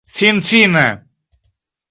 finfine